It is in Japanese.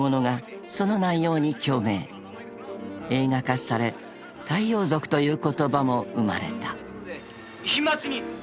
［映画化され太陽族という言葉も生まれた］